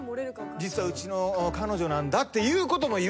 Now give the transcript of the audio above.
「実はうちの彼女なんだ」ってことも言わずに。